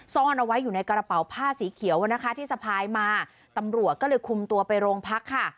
ซ่อนเอาไว้อยู่ในกระเป๋าผ้าสีเขียวอ่ะนะคะที่สะพายมาตำรวจก็เลยคุมตัวไปโรงพักค่ะ